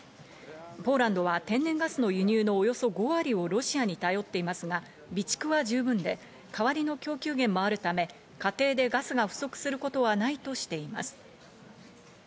ポーランドは天然ガスの輸入のおよそ５割をロシアに頼っていますが、備蓄は十分で代わりの供給源もあるため、家庭でガスが不足することはないとしています。